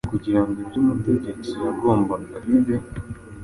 kugirango ibyo umutegetsi- yagombaga bibe